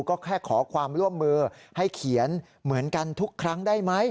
ก็แค่ขอความร่วมมือให้เขียนเหมือนกันทุกครั้งได้ไหม